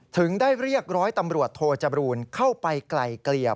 ถึงได้เรียกร้อยตำรวจโทจบรูนเข้าไปไกลเกลี่ย